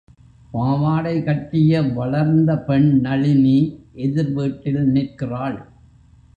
பாவாடைகட்டிய வளர்ந்த பெண் நளினி, எதிர்வீட்டில் நிற்கிறாள்.